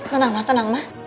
tenang ma tenang ma